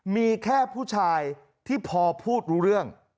มีแค่ผู้ชายที่พอพูดรู้เรื่อง